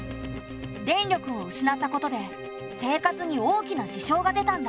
電力を失ったことで生活に大きな支障が出たんだ。